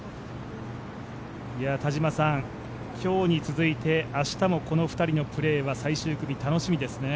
田島さん、今日に続いて明日もこの２人のプレーは最終組、楽しみですね。